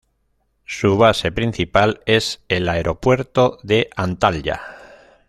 Su base principal es el Aeropuerto de Antalya.